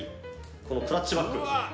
このクラッチバッグ。